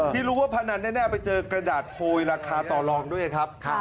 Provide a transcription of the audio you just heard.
ที่รู้ว่าพนันแน่ไปเจอกระดาษโพยราคาต่อลองด้วยครับ